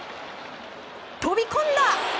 飛び込んだ！